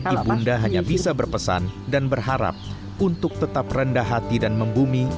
ibunda hanya bisa berpesan dan berharap untuk tetap rendah hati dan membumi